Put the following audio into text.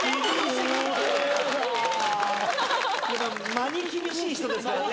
間に厳しい人ですからね。